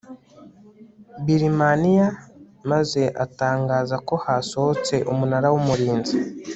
birimaniya maze atangaza ko hasohotse umunara w umurinzi